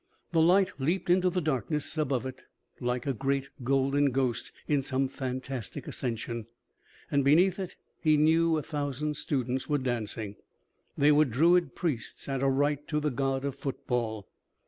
The light leaped into the darkness above like a great golden ghost in some fantastic ascension, and beneath it, he knew, a thousand students were dancing. They were druid priests at a rite to the god of football.